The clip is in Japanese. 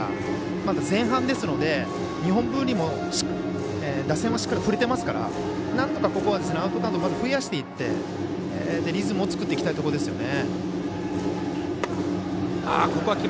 まだ前半ですので日本文理も打線はしっかりと振れてますから、なんとかアウトカウントを増やしていてリズムを作っていきたいところですよね。